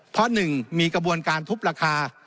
เพราะ๑มีกระบวนการทุบราคา